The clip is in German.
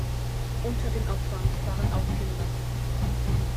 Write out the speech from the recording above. Unter den Opfern waren auch Kinder.